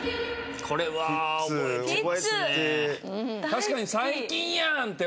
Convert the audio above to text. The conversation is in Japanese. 確かに最近やん！って